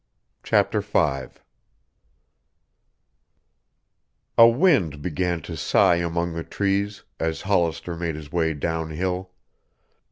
CHAPTER V A wind began to sigh among the trees as Hollister made his way downhill.